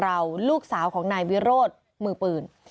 กระทำชำระลูกสาวของนายวีโรธมือปืน